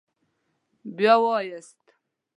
بیا ووایاست